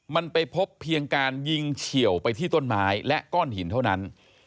มันไปพบเพียงการยิงเฉียวไปที่ต้นไม้และก้อนหินเท่านั้น